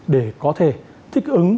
để có thể thích ứng